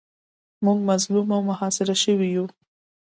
موږ مظلوم او محاصره شوي یو.